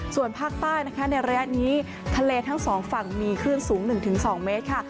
ส่วนภาคใต้นะคะในระยะนี้ทะเลทั้งสองฝั่งมีคลื่นสูง๑๒เมตรค่ะ